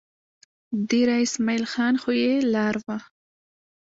دېره اسمعیل خان خو یې لار وه.